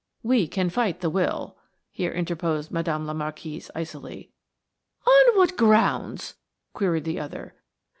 "We can fight the will," here interposed Madame la Marquise, icily. "On what grounds?" queried the other.